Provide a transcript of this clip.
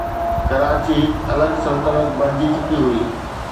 ڪراچي هڪ الڳ سلطنت بڻجي چڪي هئي.